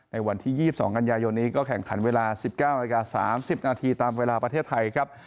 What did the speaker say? ในวันที่๒๒กันยายนนี้ก็แข่งขันเวลา๑๙นาที๓๐นาทีตามเวลาประเทศไทยครับ